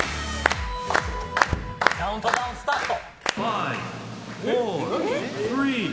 カウントダウン、スタート！